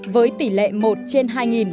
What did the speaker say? với tỷ lệ một trên hai